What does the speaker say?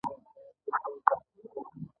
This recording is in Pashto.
د دې زلمي نوم سانتیاګو دی.